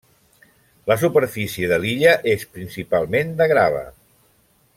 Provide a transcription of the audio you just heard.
La superfície de l'illa és principalment de grava.